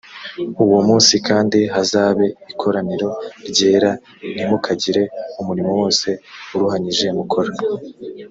uwo munsi kandi hazabe ikoraniro ryera ntimukagire umurimo wose uruhanyije mukora